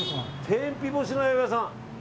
天日干しの八百屋さん！